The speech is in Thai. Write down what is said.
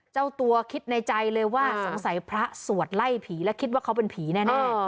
เจ้าตัวคิดในใจเลยว่าสงสัยพระสวดไล่ผีและคิดว่าเขาเป็นผีแน่